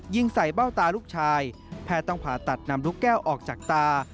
ยิงใส่เบ้าตาลูกชายแพทย์ต้องผ่าตัดนำลูกแก้วออกจากตา